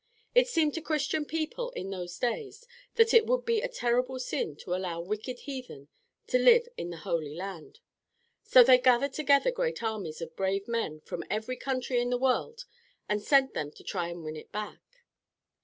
It seemed to Christian people in those days that it would be a terrible sin to allow wicked heathen to live in the Holy Land. So they gathered together great armies of brave men from every country in the world and sent them to try to win it back.